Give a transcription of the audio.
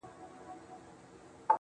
په مېله کي د موټرانو په ټکرونو کي